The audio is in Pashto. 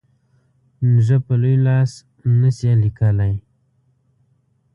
نږه په لوی لاس نه سي لیکلای.